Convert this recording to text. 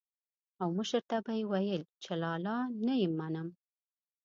او مشر ته به یې ويل چې لالا نه يې منم.